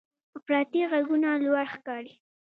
افراطي غږونه لوړ ښکاري.